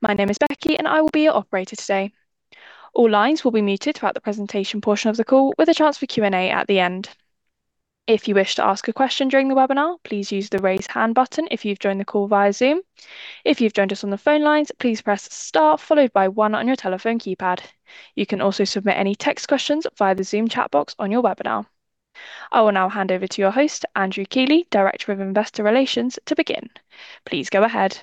My name is Becky, and I will be your operator today. All lines will be muted throughout the presentation portion of the call, with a chance for Q&A at the end. If you wish to ask a question during the webinar, please use the Raise Hand button if you've joined the call via Zoom. If you've joined us on the phone lines, please press Star followed by one on your telephone keypad. You can also submit any text questions via the Zoom chat box on your webinar. I will now hand over to your host, Andrew Keeley, Director of Investor Relations, to begin. Please go ahead.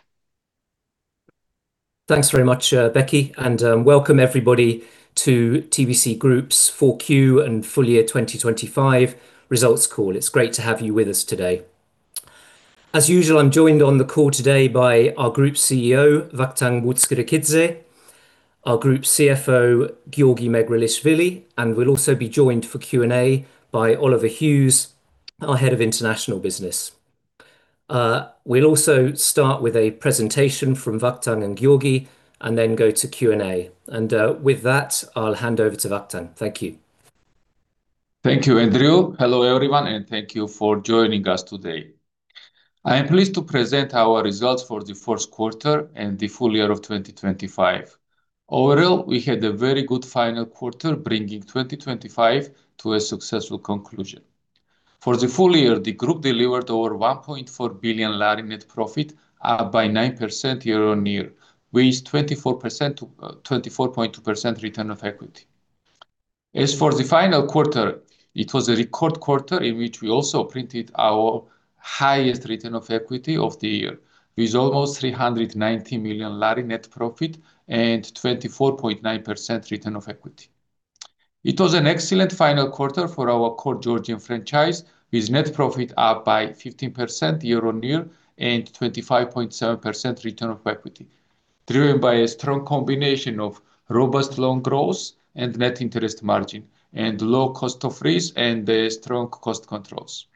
Thanks very much, Becky, and welcome everybody to TBC Group's 4Q and full year 2025 results call. It's great to have you with us today. As usual, I'm joined on the call today by our Group CEO, Vakhtang Butskhrikidze, our Group CFO, Giorgi Megrelishvili, and we'll also be joined for Q&A by Oliver Hughes, our Head of International Business. We'll also start with a presentation from Vakhtang and Giorgi and then go to Q&A. With that, I'll hand over to Vakhtang. Thank you. Thank you, Andrew. Hello, everyone, and thank you for joining us today. I am pleased to present our results for the first quarter and the full year of 2025. Overall, we had a very good final quarter, bringing 2025 to a successful conclusion. For the full year, the group delivered over GEL 1.4 billion net profit, up by 9% year-on-year, with 24%, 24.2% return on equity. As for the final quarter, it was a record quarter in which we also printed our highest return on equity of the year, with almost GEL 390 million net profit and 24.9% return on equity. It was an excellent final quarter for our core Georgian franchise, with net profit up by 15% year-over-year and 25.7% return on equity, driven by a strong combination of robust loan growth and net interest margin and low cost of risk and strong cost controls.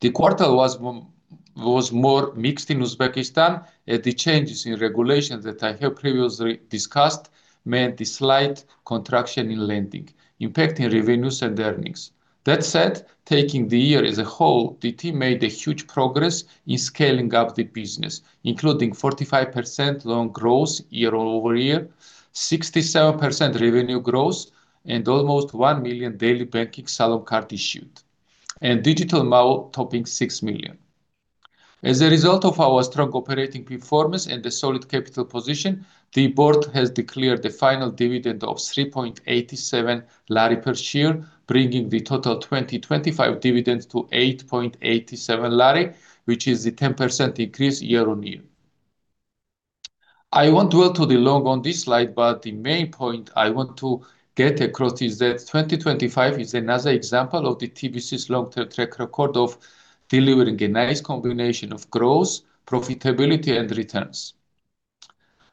The quarter was more mixed in Uzbekistan, as the changes in regulations that I have previously discussed meant a slight contraction in lending, impacting revenues and earnings. That said, taking the year as a whole, the team made huge progress in scaling up the business, including 45% loan growth year-over-year, 67% revenue growth, and almost 1 million daily banking Salom card issued, and digital MAU topping 6 million. As a result of our strong operating performance and a solid capital position, the board has declared a final dividend of 3.87 GEL per share, bringing the total 2025 dividend to 8.87 GEL, which is a 10% increase year-on-year. I won't dwell too long on this slide, but the main point I want to get across is that 2025 is another example of the TBC's long-term track record of delivering a nice combination of growth, profitability, and returns.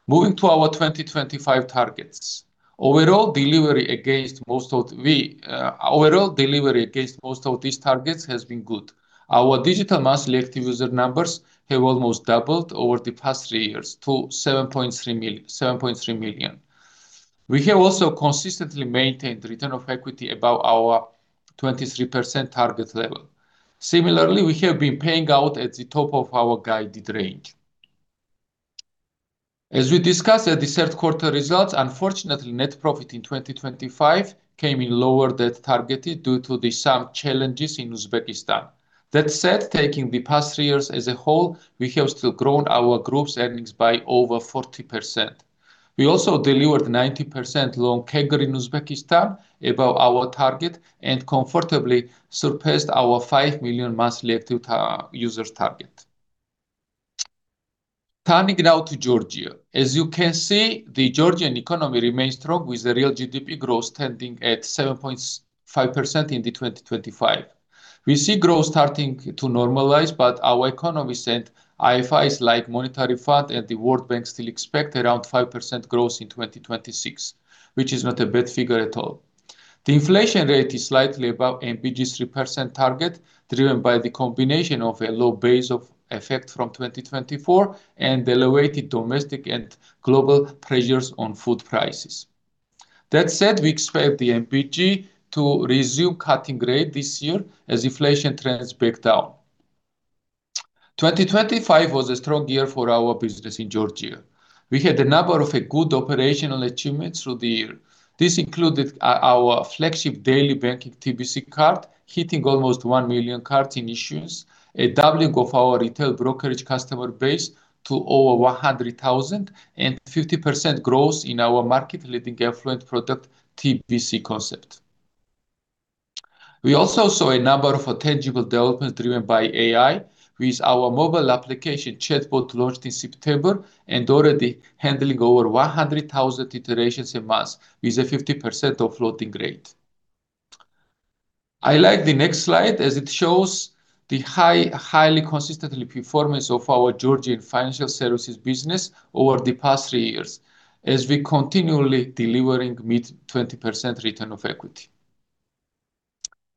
Moving to our 2025 targets. Overall delivery against most of these targets has been good. Our digital monthly active user numbers have almost doubled over the past three years to 7.3 million. We have also consistently maintained return on equity above our 23% target level. Similarly, we have been paying out at the top of our guided range. As we discussed at the third quarter results, unfortunately, net profit in 2025 came in lower than targeted due to some challenges in Uzbekistan. That said, taking the past three years as a whole, we have still grown our group's earnings by over 40%. We also delivered 90% loan CAGR in Uzbekistan above our target and comfortably surpassed our 5 million monthly active users target. Turning now to Georgia. As you can see, the Georgian economy remains strong, with the real GDP growth standing at 7.5% in 2025. We see growth starting to normalize, but our economists and IFIs, like Monetary Fund and the World Bank, still expect around 5% growth in 2026, which is not a bad figure at all. The inflation rate is slightly above NBG's 3% target, driven by the combination of a low base of effect from 2024 and elevated domestic and global pressures on food prices. That said, we expect the NBG to resume cutting rate this year as inflation trends back down. 2025 was a strong year for our business in Georgia. We had a number of a good operational achievements through the year. This included, our flagship daily banking TBC card, hitting almost 1 million cards in issuance, a doubling of our retail brokerage customer base to over 100,000, and 50% growth in our market-leading affluent product, TBC Concept. We also saw a number of tangible developments driven by AI, with our mobile application chatbot launched in September and already handling over 100,000 iterations a month, with a 50% offloading rate. I like the next slide, as it shows the highly consistent performance of our Georgian financial services business over the past three years, as we continually delivering mid-20% return on equity.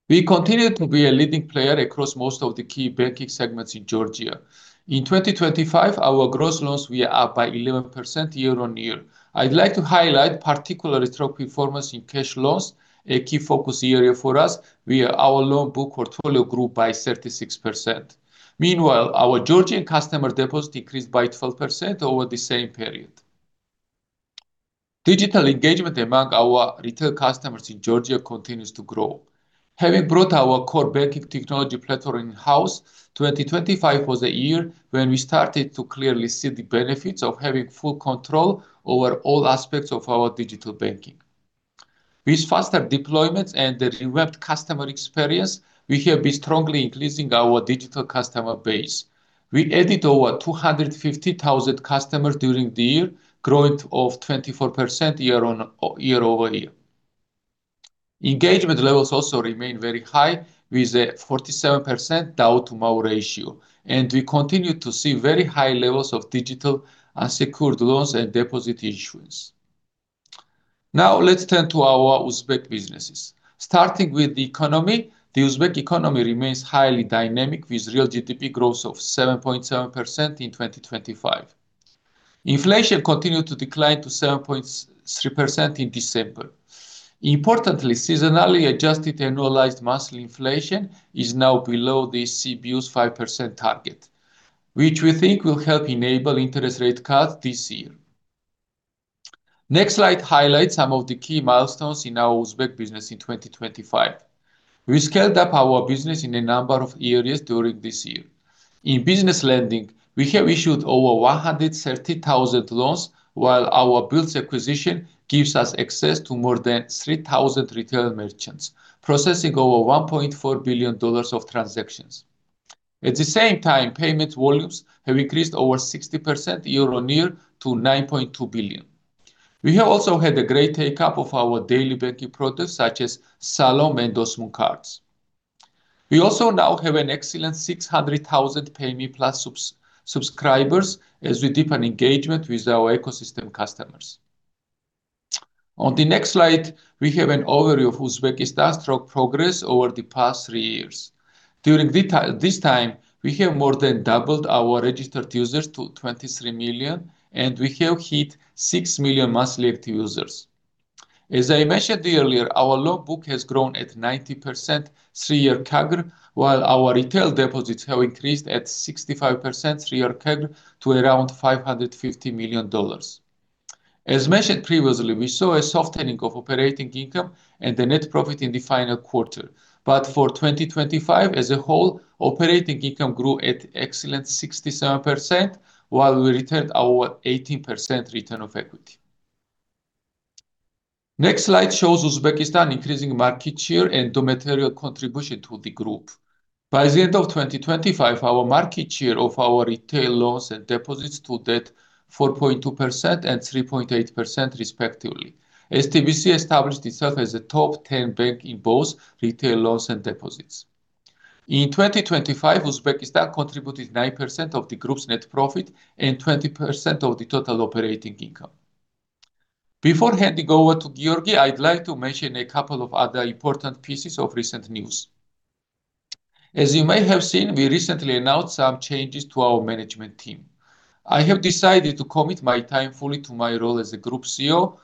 We continue to be a leading player across most of the key banking segments in Georgia. In 2025, our gross loans were up by 11% year-on-year. I'd like to highlight particularly strong performance in cash loans, a key focus area for us, where our loan book portfolio grew by 36%. Meanwhile, our Georgian customer deposits increased by 12% over the same period. Digital engagement among our retail customers in Georgia continues to grow. Having brought our core banking technology platform in-house, 2025 was a year when we started to clearly see the benefits of having full control over all aspects of our digital banking. With faster deployments and the direct customer experience, we have been strongly increasing our digital customer base. We added over 250,000 customers during the year, growth of 24% year-over-year. Engagement levels also remain very high, with a 47% DAU-to-MAU ratio, and we continue to see very high levels of digital unsecured loans and deposit issuance. Now, let's turn to our Uzbek businesses. Starting with the economy, the Uzbek economy remains highly dynamic, with real GDP growth of 7.7% in 2025. Inflation continued to decline to 7.3% in December. Importantly, seasonally adjusted annualized monthly inflation is now below the CBU's 5% target, which we think will help enable interest rate cuts this year. Next slide highlights some of the key milestones in our Uzbek business in 2025. We scaled up our business in a number of areas during this year. In business lending, we have issued over 130,000 loans, while our Billz acquisition gives us access to more than 3,000 retail merchants, processing over $1.4 billion of transactions. At the same time, payment volumes have increased over 60% year-on-year to $9.2 billion. We have also had a great take-up of our daily banking products, such as Salom and Osmon cards. We also now have an excellent 600,000 Payme Plus subscribers as we deepen engagement with our ecosystem customers. On the next slide, we have an overview of Uzbekistan's strong progress over the past three years. During this time, we have more than doubled our registered users to 23 million, and we have hit 6 million monthly active users. As I mentioned earlier, our loan book has grown at 90% three-year CAGR, while our retail deposits have increased at 65% three-year CAGR to around $550 million. As mentioned previously, we saw a softening of operating income and the net profit in the final quarter. But for 2025 as a whole, operating income grew at excellent 67%, while we retained our 18% return on equity. Next slide shows Uzbekistan increasing market share and the material contribution to the group. By the end of 2025, our market share of our retail loans and deposits to debt, 4.2% and 3.8% respectively. TBC established itself as a top ten bank in both retail loans and deposits. In 2025, Uzbekistan contributed 9% of the group's net profit and 20% of the total operating income. Before handing over to Giorgi, I'd like to mention a couple of other important pieces of recent news. As you may have seen, we recently announced some changes to our management team. I have decided to commit my time fully to my role as a group CEO,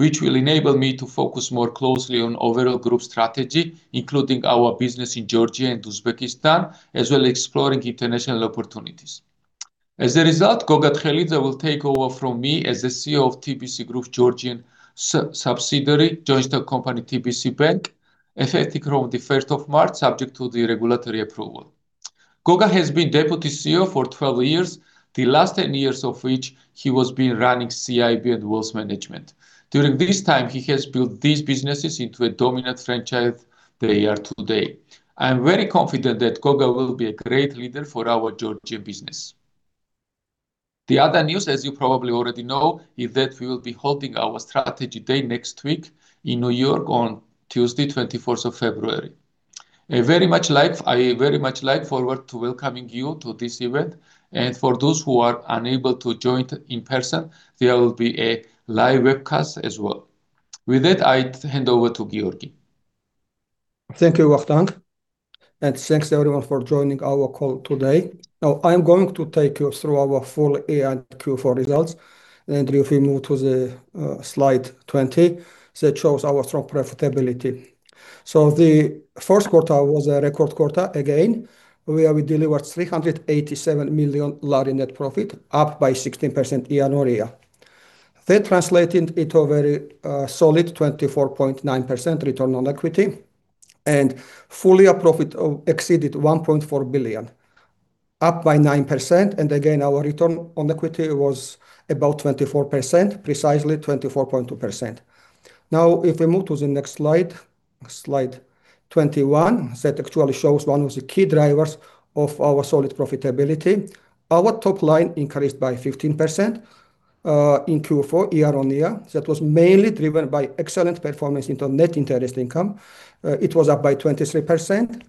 which will enable me to focus more closely on overall group strategy, including our business in Georgia and Uzbekistan, as well as exploring international opportunities. As a result, Giorgi Tkhelidze will take over from me as the CEO of TBC Group, Georgian subsidiary, Joint Stock Company, TBC Bank, effective from the first of March, subject to regulatory approval. Giorgi has been Deputy CEO for 12 years, the last 10 years of which he has been running CIB and Wealth Management. During this time, he has built these businesses into a dominant franchise they are today. I'm very confident that Giorgi will be a great leader for our Georgia business. The other news, as you probably already know, is that we will be holding our Strategy Day next week in New York on Tuesday, 21st of February. I very much look forward to welcoming you to this event, and for those who are unable to join in person, there will be a live webcast as well. With that, I hand over to Giorgi. Thank you, Vakhtang, and thanks, everyone, for joining our call today. Now, I am going to take you through our full-year Q4 results, and if we move to the slide 20, that shows our strong profitability. So the first quarter was a record quarter, again, where we delivered GEL 387 million net profit, up by 16% year-on-year. That translated into a very solid 24.9% return on equity, and full-year profit exceeded GEL 1.4 billion, up by 9%, and again, our return on equity was about 24%, precisely 24.2%. Now, if we move to the next slide, slide 21, that actually shows one of the key drivers of our solid profitability. Our top line increased by 15%, in Q4, year-on-year. That was mainly driven by excellent performance into net interest income. It was up by 23%.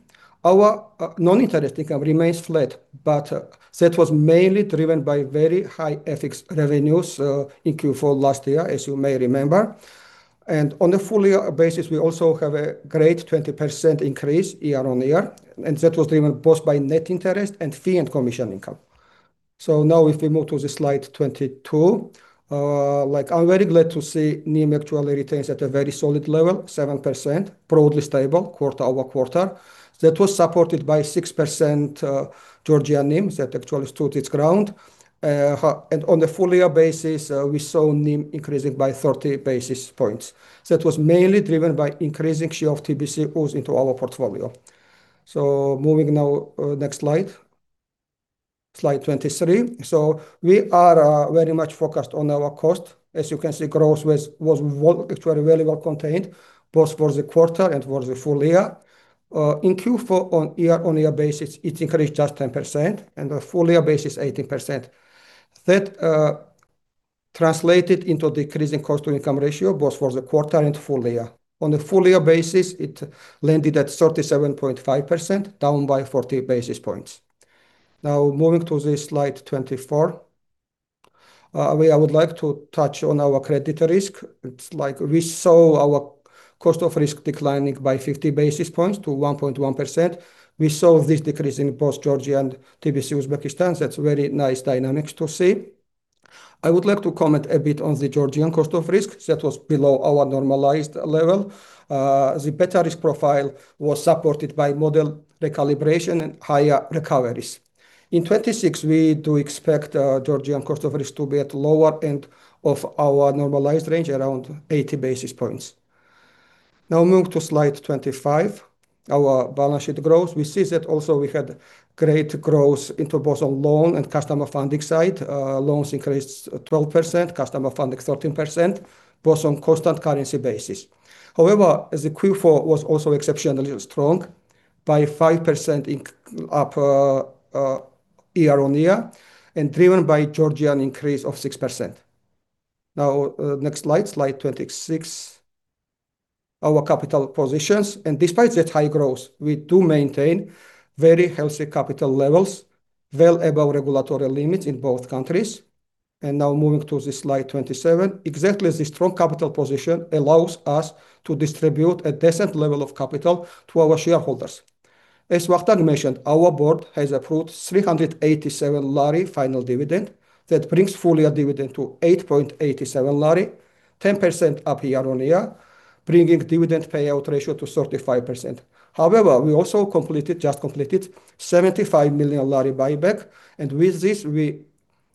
Our non-interest income remains flat, but that was mainly driven by very high FX revenues in Q4 last year, as you may remember. And on a full year basis, we also have a great 20% increase year-on-year, and that was driven both by net interest and fee and commission income. So now if we move to the slide 22, like I'm very glad to see NIM actually retains at a very solid level, 7%, broadly stable quarter-over-quarter. That was supported by 6% Georgian NIM, that actually stood its ground. And on the full year basis, we saw NIM increasing by 30 basis points. That was mainly driven by increasing share of TBC UZ into our portfolio. Moving now, next slide, slide 23. So we are very much focused on our cost. As you can see, growth was actually very well contained, both for the quarter and for the full year. In Q4 year-on-year basis, it increased just 10%, and the full year basis, 18%. That translated into decreasing cost to income ratio, both for the quarter and full year. On the full year basis, it landed at 37.5%, down by 40 basis points. Now moving to the slide 24, we I would like to touch on our credit risk. It's like we saw our cost of risk declining by 50 basis points to 1.1%. We saw this decrease in both Georgia and TBC Uzbekistan. That's very nice dynamics to see. I would like to comment a bit on the Georgian cost of risk that was below our normalized level. The better risk profile was supported by model recalibration and higher recoveries. In 2026, we do expect Georgian cost of risk to be at lower end of our normalized range, around 80 basis points. Now moving to slide 25, our balance sheet growth. We see that also we had great growth into both on loan and customer funding side. Loans increased 12%, customer funding, 13%, both on constant currency basis. However, as the Q4 was also exceptionally strong, by 5% year-on-year, and driven by Georgian increase of 6%. Now, next slide, slide 26. Our capital positions, and despite that high growth, we do maintain very healthy capital levels, well above regulatory limits in both countries. Now moving to slide 27, exactly the strong capital position allows us to distribute a decent level of capital to our shareholders. As Vakhtang mentioned, our board has approved 3.87 GEL final dividend. That brings full year dividend to 8.87 GEL, 10% up year-on-year, bringing dividend payout ratio to 35%. However, we also just completed GEL 75 million buyback, and with this, we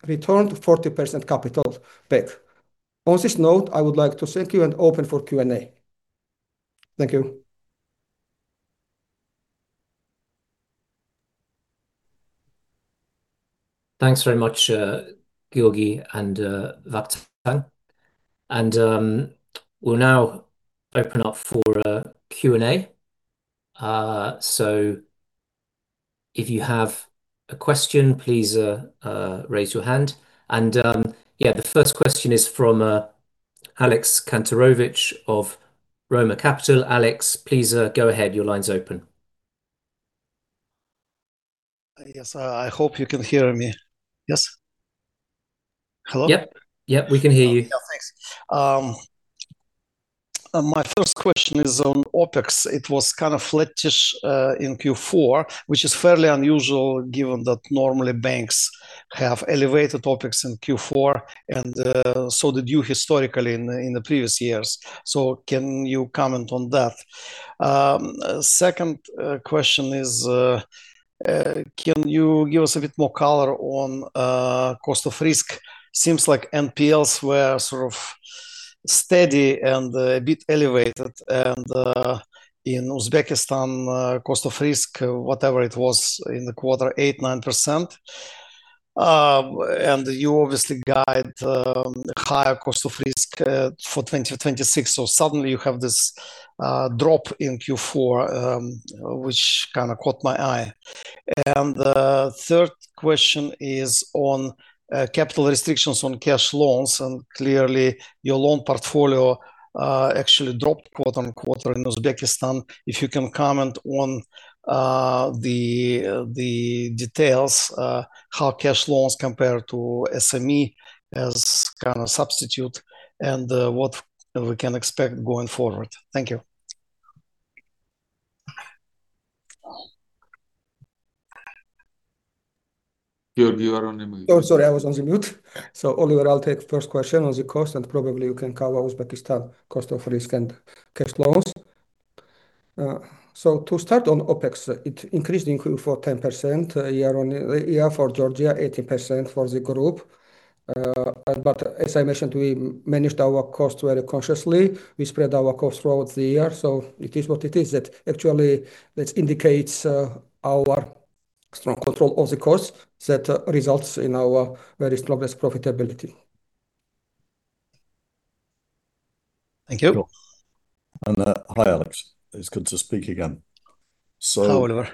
returned 40% capital back. On this note, I would like to thank you and open for Q&A. Thank you. Thanks very much, Giorgi and Vakhtang. We'll now open up for a Q&A. So if you have a question, please raise your hand. Yeah, the first question is from Alex Kantarovich of Roemer Capital. Alex, please go ahead. Your line's open. Yes, I hope you can hear me. Yes? Hello? Yep, yep, we can hear you. Oh, yeah, thanks. My first question is on OpEx. It was kind of flattish in Q4, which is fairly unusual, given that normally banks have elevated OpEx in Q4, and so did you historically in the previous years. So can you comment on that? Second question is, can you give us a bit more color on cost of risk? Seems like NPLs were sort of steady and a bit elevated, and in Uzbekistan cost of risk, whatever it was in the quarter, 8%-9%. And you obviously guide higher cost of risk for 2026, so suddenly you have this drop in Q4, which kind of caught my eye. The third question is on capital restrictions on cash loans, and clearly, your loan portfolio actually dropped quarter-on-quarter in Uzbekistan. If you can comment on the details, how cash loans compare to SME as kind of substitute, and what we can expect going forward? Thank you. Giorgi, you are on mute. Oh, sorry, I was on the mute. So Oliver, I'll take the first question on the cost, and probably you can cover Uzbekistan cost of risk and cash flows. So to start on OpEx, it increased in Q4 10% year-on-year for Georgia, 18% for the group. But as I mentioned, we managed our cost very consciously. We spread our cost throughout the year, so it is what it is. That actually, this indicates our strong control of the cost that results in our very strongest profitability. Thank you. Hi, Alex. It's good to speak again. Hello, Oliver.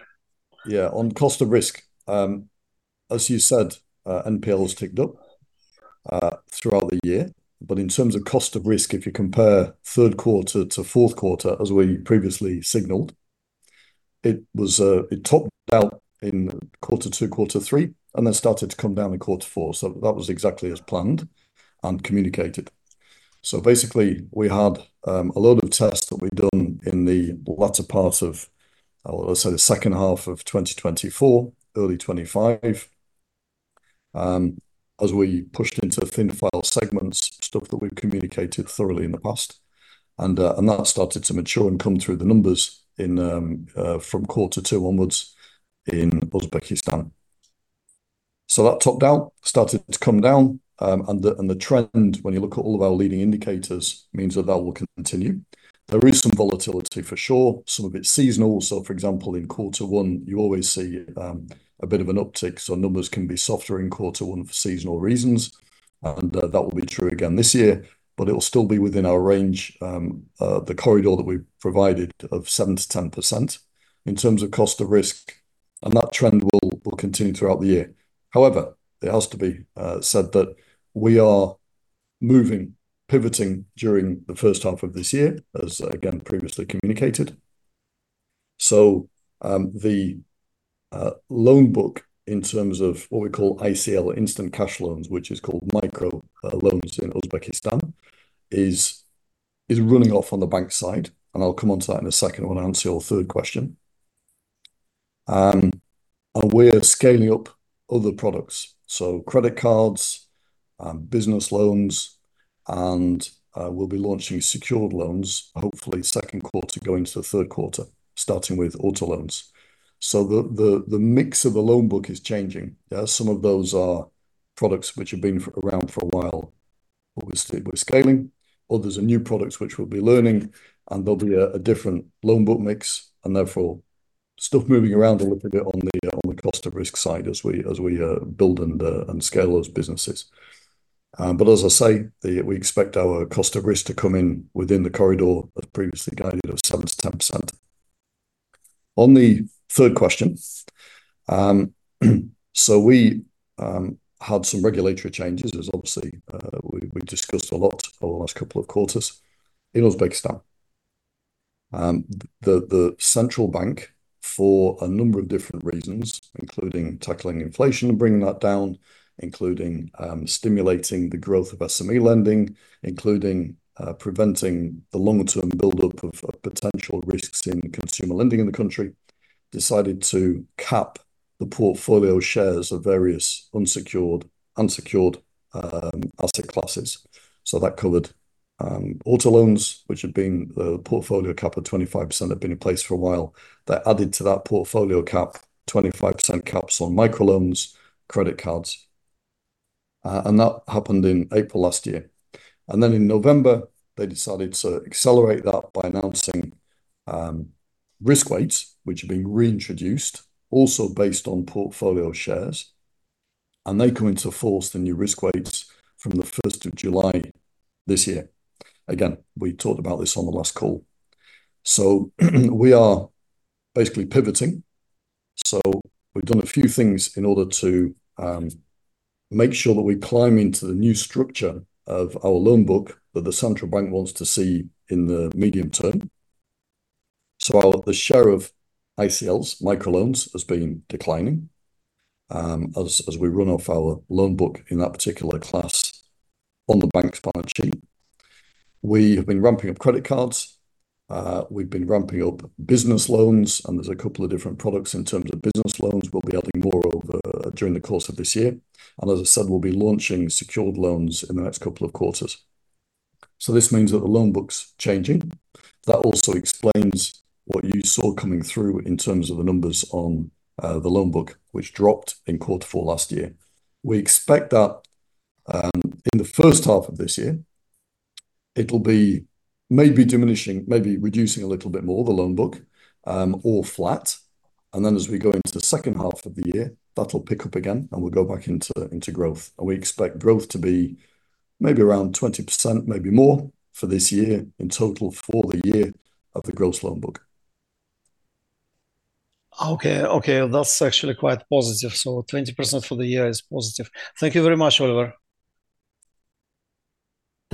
Yeah, on cost of risk, as you said, NPLs ticked up throughout the year. But in terms of cost of risk, if you compare third quarter to fourth quarter, as we previously signaled, it was, it topped out in quarter two, quarter three, and then started to come down in quarter four. So that was exactly as planned and communicated. So basically, we had a load of tests that we'd done in the latter part of, let's say the second half of 2024, early 2025. As we pushed into thin file segments, stuff that we've communicated thoroughly in the past, and, and that started to mature and come through the numbers in, from quarter two onwards in Uzbekistan. So that top down started to come down, and the trend, when you look at all of our leading indicators, means that that will continue. There is some volatility, for sure. Some of it's seasonal. So, for example, in quarter one, you always see a bit of an uptick, so numbers can be softer in quarter one for seasonal reasons, and that will be true again this year. But it will still be within our range, the corridor that we provided of 7%-10% in terms of cost of risk, and that trend will continue throughout the year. However, it has to be said that we are moving, pivoting during the first half of this year, as again, previously communicated. So, the loan book, in terms of what we call ICL, instant cash loans, which is called micro loans in Uzbekistan, is running off on the bank side, and I'll come onto that in a second when I answer your third question. And we're scaling up other products, so credit cards, business loans, and we'll be launching secured loans, hopefully second quarter going into the third quarter, starting with auto loans. So the mix of the loan book is changing. Yeah, some of those are products which have been around for a while, but we're scaling. Others are new products which we'll be learning, and there'll be a different loan book mix, and therefore, stuff moving around a little bit on the cost of risk side as we build and scale those businesses. But as I say, we expect our cost of risk to come in within the corridor, as previously guided, of 7%-10%. On the third question, we had some regulatory changes, as obviously, we discussed a lot over the last couple of quarters in Uzbekistan. The central bank, for a number of different reasons, including tackling inflation and bringing that down, including stimulating the growth of SME lending, including preventing the long-term build-up of potential risks in consumer lending in the country, decided to cap the portfolio shares of various unsecured asset classes. So that covered auto loans, which had been the portfolio cap of 25%, had been in place for a while. They added to that portfolio cap, 25% caps on microloans, credit cards. And that happened in April last year, and then in November, they decided to accelerate that by announcing risk weights, which are being reintroduced, also based on portfolio shares, and they come into force, the new risk weights, from the 1st of July this year. Again, we talked about this on the last call. We are basically pivoting. We've done a few things in order to make sure that we climb into the new structure of our loan book that the Central Bank wants to see in the medium term. While the share of ICLs, microloans, has been declining, as we run off our loan book in that particular class on the bank's balance sheet, we have been ramping up credit cards, we've been ramping up business loans, and there's a couple of different products in terms of business loans. We'll be adding more over, during the course of this year, and as I said, we'll be launching secured loans in the next couple of quarters. This means that the loan book's changing. That also explains what you saw coming through in terms of the numbers on, the loan book, which dropped in quarter four last year. We expect that, in the first half of this year, it'll be maybe diminishing, maybe reducing a little bit more, the loan book, or flat, and then as we go into the second half of the year, that'll pick up again, and we'll go back into, into growth. And we expect growth to be maybe around 20%, maybe more, for this year in total for the year of the gross loan book. Okay, okay, that's actually quite positive. 20% for the year is positive. Thank you very much, Oliver.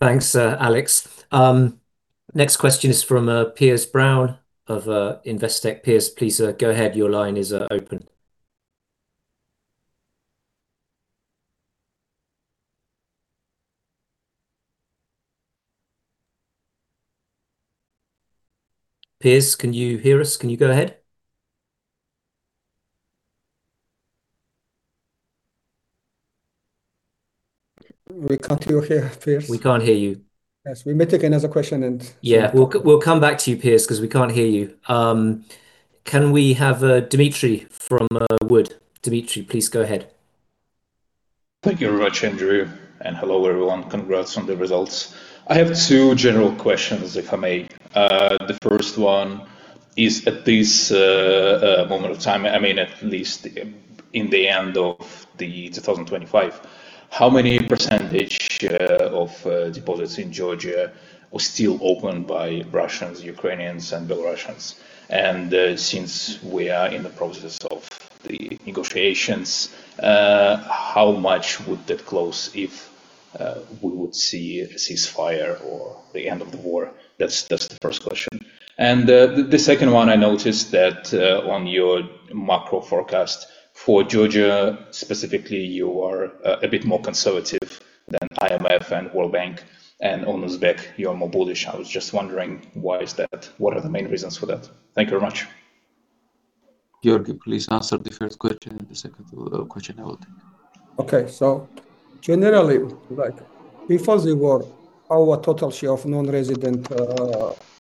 Thanks, Alex. Next question is from Piers Brown of Investec. Piers, please go ahead. Your line is open. Piers, can you hear us? Can you go ahead? We can't hear Piers. We can't hear you. Yes, we may take another question. Yeah, we'll come back to you, Piers, 'cause we can't hear you. Can we have Dmitry from Wood? Dmitry, please go ahead. Thank you very much, Andrew, and hello, everyone. Congrats on the results. I have two general questions, if I may. The first one is, at this moment of time, I mean, at least in the end of 2025, how many % of deposits in Georgia were still opened by Russians, Ukrainians, and Belarusians? And since we are in the process of the negotiations, how much would that close if we would see a ceasefire or the end of the war? That's the first question. And the second one, I noticed that on your macro forecast for Georgia, specifically, you are a bit more conservative than IMF and World Bank, and on Uzbek, you are more bullish. I was just wondering why is that? What are the main reasons for that? Thank you very much. Giorgi, please answer the first question, and the second question I will take. Okay. So generally, like, before the war, our total share of non-resident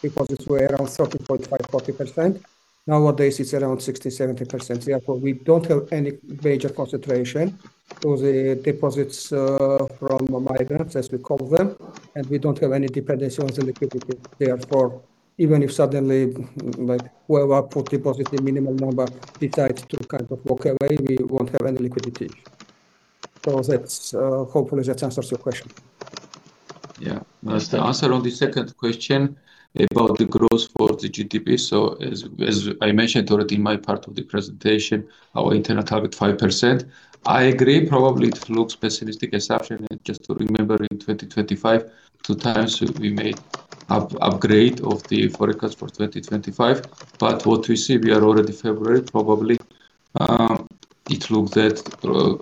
deposits were around 30.5%-40%. Nowadays, it's around 60%-70%. Therefore, we don't have any major concentration of the deposits from the migrants, as we call them, and we don't have any dependency on the liquidity. Therefore, even if suddenly, like, whoever put deposit the minimum number decides to kind of walk away, we won't have any liquidity. So that's. Hopefully, that answers your question. Yeah. As the answer on the second question about the growth for the GDP, so as I mentioned already in my part of the presentation, our internal target, 5%. I agree, probably it looks pessimistic assumption, and just to remember in 2025, two times we made upgrade of the forecast for 2025. But what we see, we are already February, probably, it looks that, the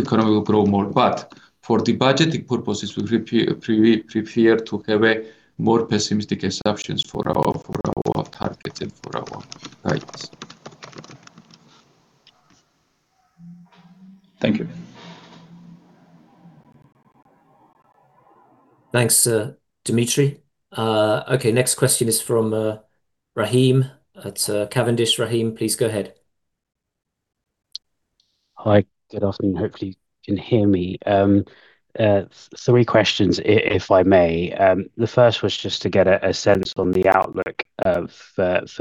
economy will grow more. But for the budgeting purposes, we prepare to have a more pessimistic assumptions for our, for our targets and for our guides. Thank you. Thanks, Dmitry. Okay, next question is from Rahim at Cavendish. Rahim, please go ahead. Hi, good afternoon. Hopefully, you can hear me. Three questions if I may. The first was just to get a sense on the outlook for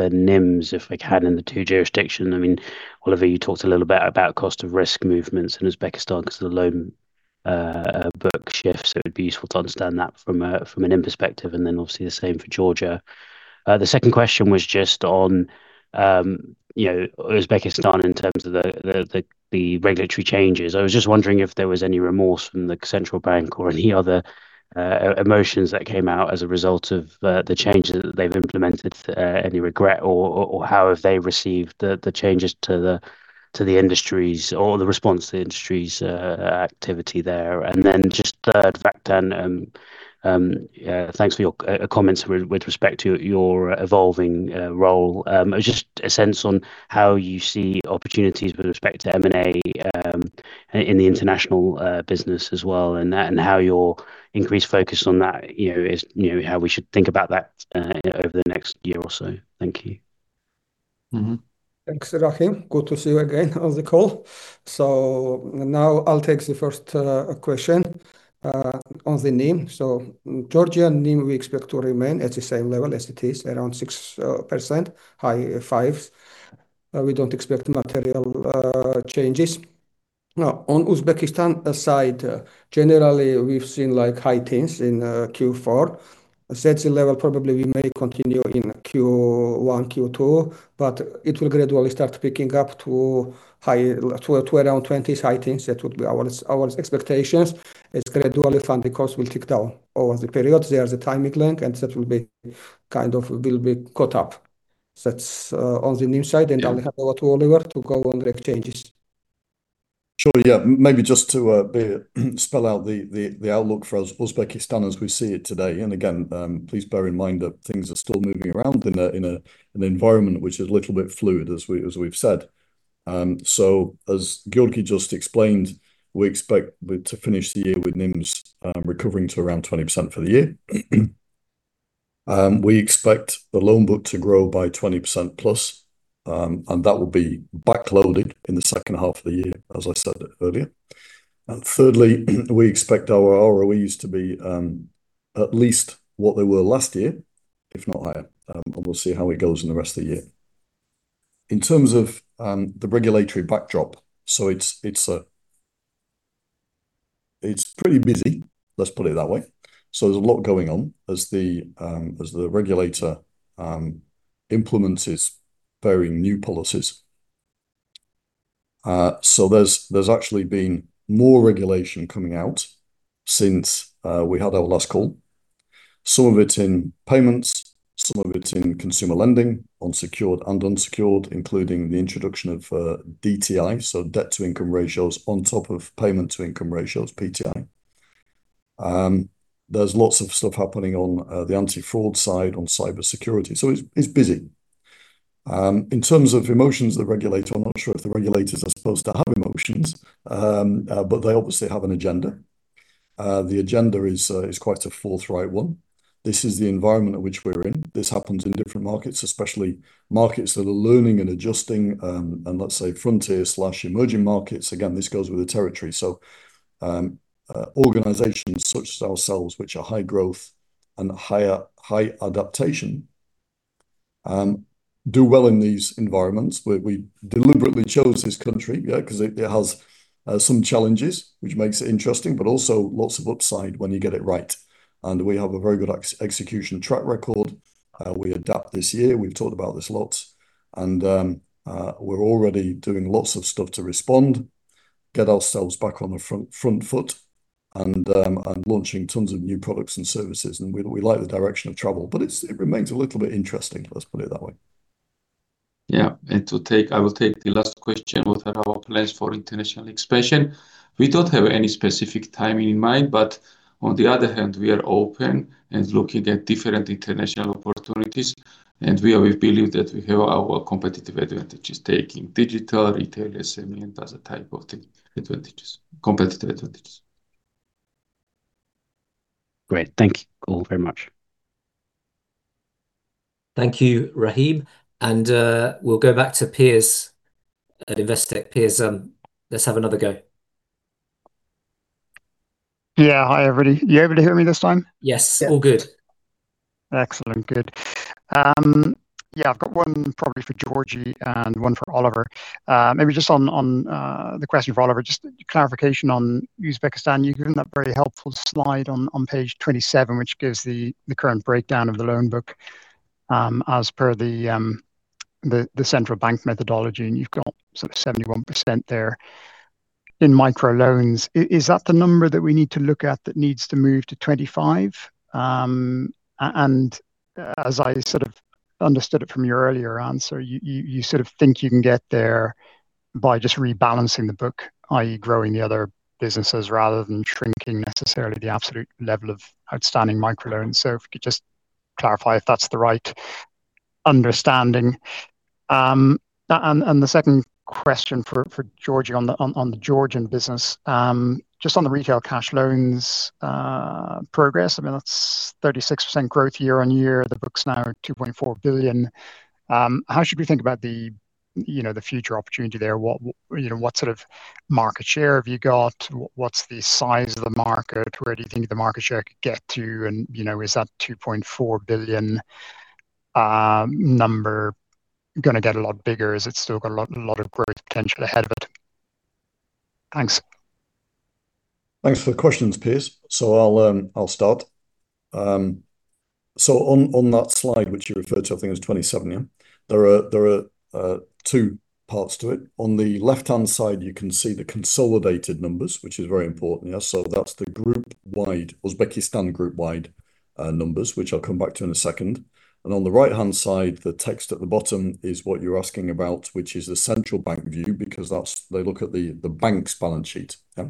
NIMs, if we can, in the two jurisdictions. I mean, Oliver, you talked a little bit about cost of risk movements in Uzbekistan because of the loan book shift, so it'd be useful to understand that from an NIM perspective, and then obviously the same for Georgia. The second question was just on, you know, Uzbekistan in terms of the regulatory changes. I was just wondering if there was any remorse from the central bank or any other emotions that came out as a result of the changes that they've implemented, any regret or how have they received the changes to the industries, or the response to the industry's activity there? And then just third factor, and thanks for your comments with respect to your evolving role. Just a sense on how you see opportunities with respect to M&A in the international business as well, and how your increased focus on that, you know, how we should think about that over the next year or so. Thank you. Mm-hmm. Thanks, Rahim. Good to see you again on the call. So now I'll take the first question on the NIM. So Georgia NIM, we expect to remain at the same level as it is, around 6%, high 5s. We don't expect material changes. Now, on Uzbekistan side, generally, we've seen like high teens in Q4. That's the level probably we may continue in Q1, Q2, but it will gradually start picking up to high, to, to around twenties, high teens. That would be our expectations, as gradually funding costs will tick down over the period. There is a timing link, and that will be kind of will be caught up. That's on the NIM side... and I'll hand over to Oliver to go on the exchanges. Sure, yeah. Maybe just to spell out the outlook for Uzbekistan as we see it today. And again, please bear in mind that things are still moving around in an environment which is a little bit fluid, as we've said. So as Giorgi just explained, we expect to finish the year with NIMs recovering to around 20% for the year. We expect the loan book to grow by +20%, and that will be backloaded in the second half of the year, as I said earlier. And thirdly, we expect our ROEs to be at least what they were last year, if not higher, but we'll see how it goes in the rest of the year. In terms of the regulatory backdrop, so it's pretty busy, let's put it that way. So there's a lot going on as the regulator implements its very new policies. So there's actually been more regulation coming out since we had our last call. Some of it in payments, some of it in consumer lending, on secured and unsecured, including the introduction of DTI, so debt-to-income ratios, on top of payment-to-income ratios, PTI. There's lots of stuff happening on the anti-fraud side, on cybersecurity, so it's busy. In terms of emotions of the regulator, I'm not sure if the regulators are supposed to have emotions, but they obviously have an agenda. The agenda is quite a forthright one. This is the environment in which we're in. This happens in different markets, especially markets that are learning and adjusting, and let's say frontier/emerging markets. Again, this goes with the territory. So, organizations such as ourselves, which are high growth and high adaptation, do well in these environments, where we deliberately chose this country, yeah, 'cause it has some challenges, which makes it interesting, but also lots of upside when you get it right. And we have a very good execution track record. We adapt this year. We've talked about this a lot... and we're already doing lots of stuff to respond, get ourselves back on the front foot, and launching tons of new products and services, and we like the direction of travel. But it remains a little bit interesting, let's put it that way. Yeah. And to take, I will take the last question. What are our plans for international expansion? We don't have any specific timing in mind, but on the other hand, we are open and looking at different international opportunities, and we, we believe that we have our competitive advantages, taking digital, retail, SME, and other type of thing, advantages, competitive advantages. Great. Thank you all very much. Thank you, Rahim. And we'll go back to Piers at Investec. Piers, let's have another go. Yeah. Hi, everybody. You able to hear me this time? Yes, all good. Excellent, good. Yeah, I've got one probably for Giorgi and one for Oliver. Maybe just on the question for Oliver, just clarification on Uzbekistan. You gave that very helpful slide on page 27, which gives the current breakdown of the loan book, as per the central bank methodology, and you've got sort of 71% there in micro loans. Is that the number that we need to look at, that needs to move to 25? And as I sort of understood it from your earlier answer, you sort of think you can get there by just rebalancing the book, i.e., growing the other businesses rather than shrinking necessarily the absolute level of outstanding micro loans. So if you could just clarify if that's the right understanding. And the second question for Giorgi on the Georgian business, just on the retail cash loans progress, I mean, that's 36% growth year-on-year. The book's now GEL 2.4 billion. How should we think about the future opportunity there? You know, what sort of market share have you got? What's the size of the market? Where do you think the market share could get to? And, you know, is that GEL 2.4 billion number gonna get a lot bigger? Has it still got a lot of growth potential ahead of it? Thanks. Thanks for the questions, Piers. So I'll start. So on that slide, which you referred to, I think it was 27, yeah. There are two parts to it. On the left-hand side, you can see the consolidated numbers, which is very important, yeah. So that's the group-wide Uzbekistan group-wide numbers, which I'll come back to in a second. And on the right-hand side, the text at the bottom is what you're asking about, which is the central bank view, because that's... They look at the bank's balance sheet. Yeah.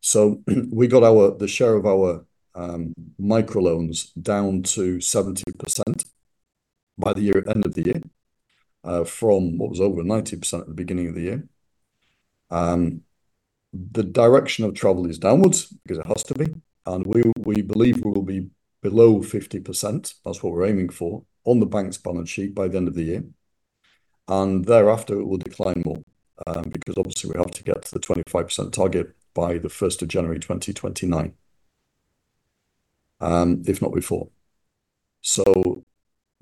So we got the share of our microloans down to 70% by year-end, from what was over 90% at the beginning of the year. The direction of travel is downwards because it has to be, and we believe we will be below 50%, that's what we're aiming for, on the bank's balance sheet by the end of the year. Thereafter, it will decline more, because obviously, we have to get to the 25% target by January 1, 2029, if not before. So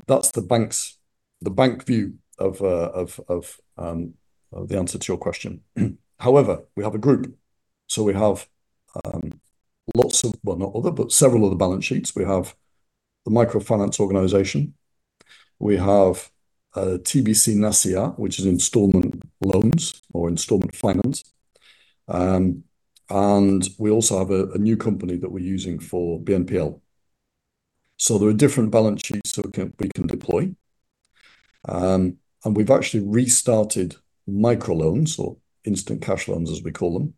that's the bank's, the bank view of the answer to your question. However, we have a group, so we have lots of, well, not other, but several other balance sheets. We have the microfinance organization, we have TBC Nasiya, which is installment loans or installment finance. And we also have a new company that we're using for BNPL. So there are different balance sheets that we can deploy. And we've actually restarted microloans, or instant cash loans, as we call them,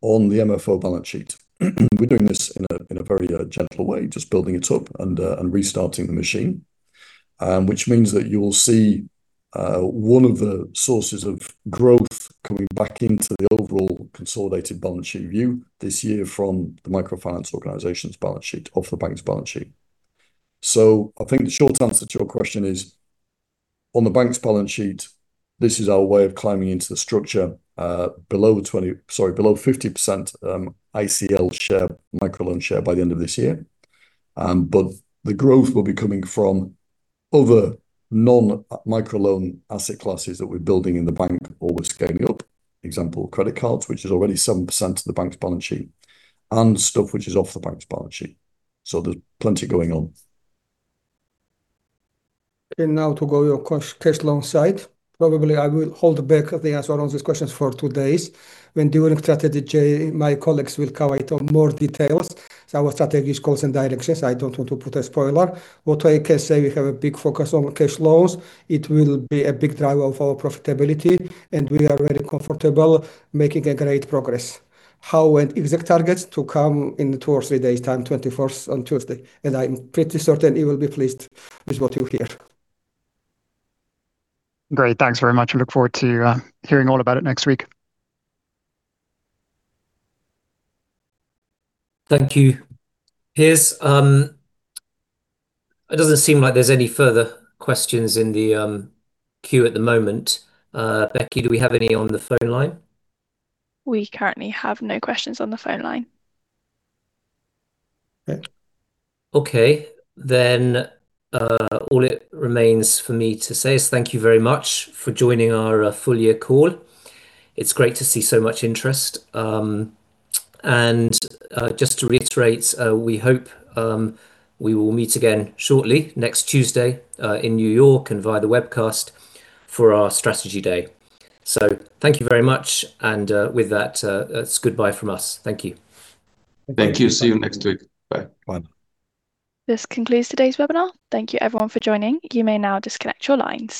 on the MFO balance sheet. We're doing this in a very gentle way, just building it up and restarting the machine. Which means that you will see one of the sources of growth coming back into the overall consolidated balance sheet view this year from the microfinance organization's balance sheet off the bank's balance sheet. So I think the short answer to your question is, on the bank's balance sheet, this is our way of climbing into the structure below 20, sorry, below 50%, ICL share, microloan share, by the end of this year. But the growth will be coming from other non-microloan asset classes that we're building in the bank or we're scaling up. Example, credit cards, which is already 7% of the bank's balance sheet, and stuff which is off the bank's balance sheet. So there's plenty going on. Now to your cash loan side. Probably, I will hold back the answer on these questions for 2 days when, during Strategy Day, my colleagues will cover it in more detail. So our strategies, goals, and directions, I don't want to put a spoiler. What I can say, we have a big focus on cash loans. It will be a big driver of our profitability, and we are very comfortable making a great progress. How and exact targets to come in 2 or 3 days' time, 21st, on Tuesday, and I'm pretty certain you will be pleased with what you'll hear. Great. Thanks very much. I look forward to hearing all about it next week. Thank you. Piers, it doesn't seem like there's any further questions in the queue at the moment. Becky, do we have any on the phone line? We currently have no questions on the phone line. Okay, then, all that remains for me to say is thank you very much for joining our full year call. It's great to see so much interest. Just to reiterate, we hope we will meet again shortly, next Tuesday, in New York and via the webcast for our Strategy Day. So thank you very much, and with that, it's goodbye from us. Thank you. Thank you. See you next week. Bye. Bye. This concludes today's webinar. Thank you, everyone, for joining. You may now disconnect your lines.